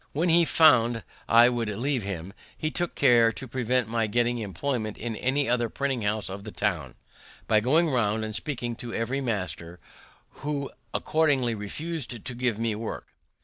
When he found I would leave him, he took care to prevent my getting employment in any other printing house of the town, by going round and speaking to every master, who accordingly refus'd to give me work.